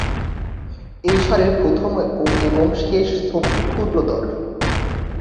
এই সারির প্রথম এবং শেষ ছোপটি ক্ষদ্রতর।